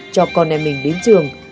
cho con em mình đến trường